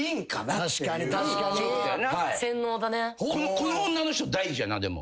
この女の人大事やなでも。